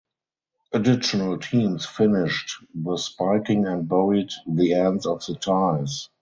Additional teams finished the spiking and buried the ends of the ties.